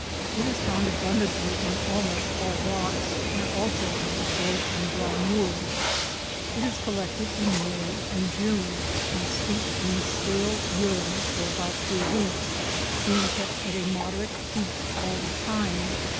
It is found abundantly on almost all rocks, and also grows on dry moors. It is collected in May and June, and steeped in stale urine for about three weeks, being kept at a moderate heat all the time.